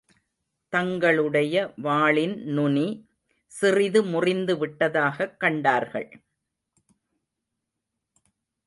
தங்களுடைய வாளின் நுனி சிறிது முறிந்து விட்டதாகக் கண்டார்கள்.